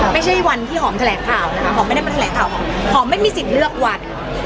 ไม่ใช่วันที่หอมแถลงข่าวนะคะหอมไม่ได้มาแถลงข่าวหอมหอมไม่มีสิทธิ์เลือกวัน